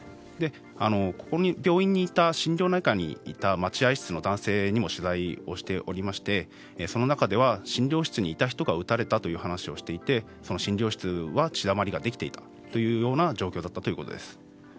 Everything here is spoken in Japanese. この病院の心療内科の待合室にいた男性にも取材をしておりましてその中では診療室にいた人が撃たれたという話をしていてその診療室は血だまりができていたという状況だったということです。